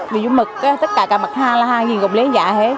vì dùng mực tất cả các mặt hàng là hàng gì cũng lén giá hết